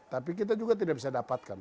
tapi kita juga tidak bisa dapatkan